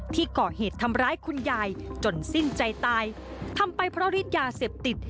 ที่ก่อเหตุทำร้ายคุณยายจนสิ้นใจตายทำไปเพราะฤทธิยาเสพติด